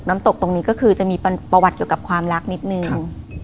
ตกตรงนี้ก็คือจะมีประวัติเกี่ยวกับความรักนิดนึง